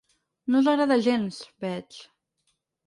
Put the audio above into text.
No us agrada gens, veig.